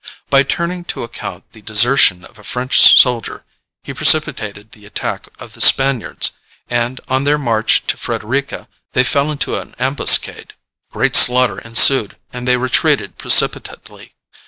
By turning to account the desertion of a French soldier he precipitated the attack of the Spaniards, and on their march to Frederica they fell into an ambuscade. Great slaughter ensued, and they retreated precipitately.